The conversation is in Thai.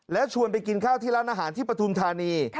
แล้วชวนไปกินข้าวที่ร้านอาหารที่ปฐุมธานี